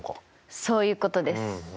そういうことです。